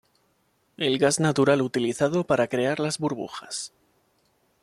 El gas natural utilizado para crear las burbujas.